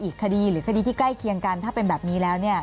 อีกคดีหรือคดีที่ใกล้เคียงกันถ้าเป็นแบบนี้แล้ว